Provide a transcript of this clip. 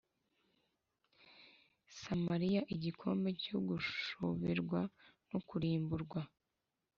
Samariya igikombe cyo gushoberwa no kurimburwa